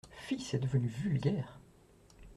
Fi ! c’est devenu vulgaire.